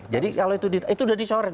jadi kalau itu itu udah dicoret